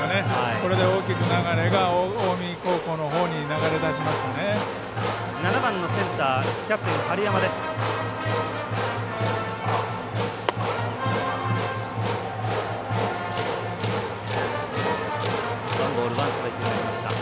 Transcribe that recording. これで大きく流れが近江高校のほうに流れ出しましたね。